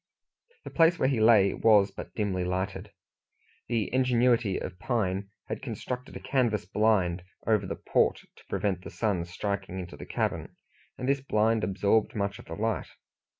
The place where he lay was but dimly lighted. The ingenuity of Pine had constructed a canvas blind over the port, to prevent the sun striking into the cabin, and this blind absorbed much of the light.